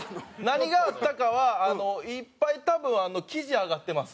何があったかはいっぱい多分記事上がってます。